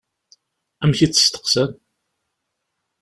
Amek i tt-steqsan?